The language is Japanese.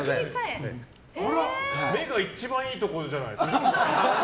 目が一番いいところじゃないですか。